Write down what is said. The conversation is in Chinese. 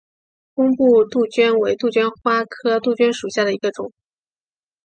工布杜鹃为杜鹃花科杜鹃属下的一个种。